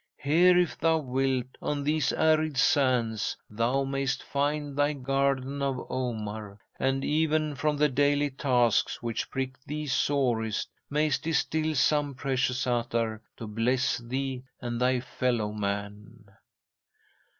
Here, if thou wilt, on these arid sands, thou mayst find thy Garden of Omar, and even from the daily tasks which prick thee sorest mayst distil some precious attar to bless thee and thy fellow man."